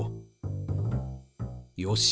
よし。